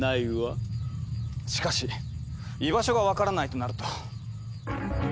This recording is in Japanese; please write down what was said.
しかし居場所が分からないとなると。